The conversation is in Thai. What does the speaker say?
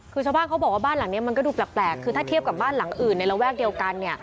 คือชาวบ้านเขาบอกว่าบ้านหลังนี้มันก็ดูแปลกคือถ้าเทียบกับบ้านหลังอื่นในระแวกเดียวกัน